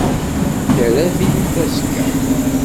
Anda ara tilim azekka?